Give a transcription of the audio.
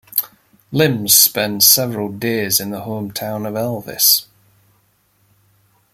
Limbs spend several days in the hometown of Elvis.